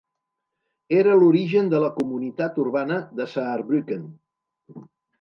Era l'origen de la Comunitat urbana de Saarbrücken.